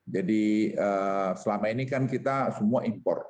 jadi selama ini kan kita semua import